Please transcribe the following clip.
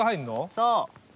そう。